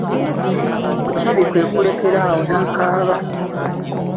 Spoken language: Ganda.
Mukiibi kwe kulekera awo n'akaaba.